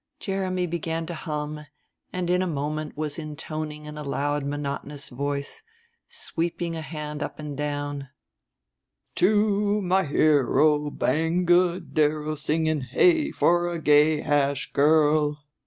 Jeremy began to hum, and in a moment was intoning in a loud monotonous voice, sweeping a hand up and down: _"To my hero, Bangedero, Singing hey for a gay Hash girl."